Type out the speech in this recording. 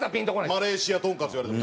マレーシアとんかつ言われても。